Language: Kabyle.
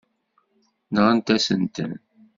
Nɣant-asen-ten.